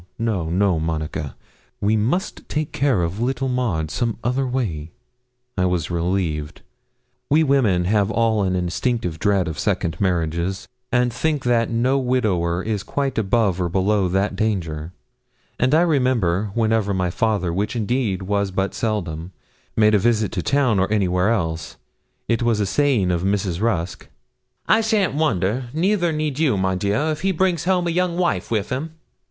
No, no, Monica; we must take care of little Maud some other way.' I was relieved. We women have all an instinctive dread of second marriages, and think that no widower is quite above or below that danger; and I remember, whenever my father, which indeed was but seldom, made a visit to town or anywhere else, it was a saying of Mrs. Rusk 'I shan't wonder, neither need you, my dear, if he brings home a young wife with him.'